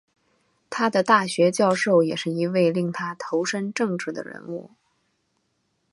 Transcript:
他的大学教授也是一位令他投身政治的人物。